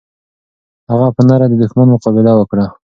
هغه په نره د دښمن مقابله وکړه.